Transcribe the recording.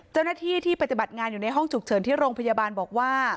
เจ้าหน้าที่ที่ปฏิบัติงานอยู่ในห้องฉุกเฉินที่โรงพยาบาลบอกว่า